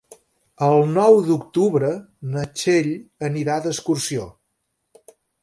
El nou d'octubre na Txell anirà d'excursió.